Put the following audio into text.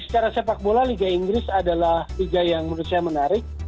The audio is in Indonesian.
secara sepak bola liga inggris adalah liga yang menurut saya menarik